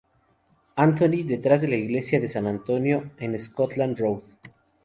Anthony, detrás de la iglesia de San Antonio en Scotland Road.